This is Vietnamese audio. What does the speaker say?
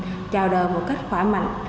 mình chào đời một cách khỏa mạnh